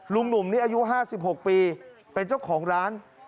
ลุงหนุ่มนี้อายุ๕๖ปีเป็นเจ้าของร้าน